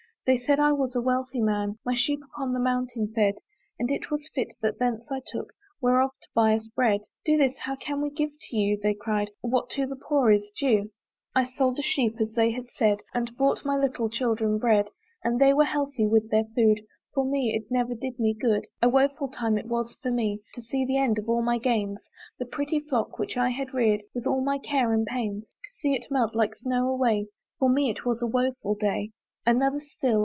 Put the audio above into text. They said I was a wealthy man; My sheep upon the mountain fed, And it was fit that thence I took Whereof to buy us bread:" "Do this; how can we give to you," They cried, "what to the poor is due?" I sold a sheep as they had said, And bought my little children bread, And they were healthy with their food; For me it never did me good. A woeful time it was for me, To see the end of all my gains, The pretty flock which I had reared With all my care and pains, To see it melt like snow away! For me it was a woeful day. Another still!